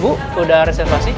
bu udah reservasi